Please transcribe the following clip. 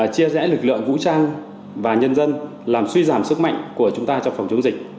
chia rẽ lực lượng vũ trang và nhân dân làm suy giảm sức mạnh của chúng ta trong phòng chống dịch